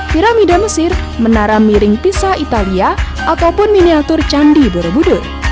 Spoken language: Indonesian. piramida mesir menara miring pisah italia ataupun miniatur candi borobudur